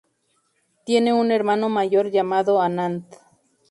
Tiene un hermano mayor llamado Anand.